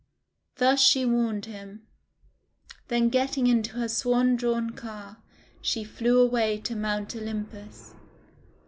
Thus she warned him; then getting into her swan drawn car, she flew away to Mount Olympus.